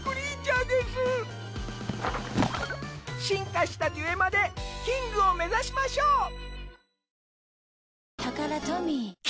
進化したデュエマでキングを目指しましょう。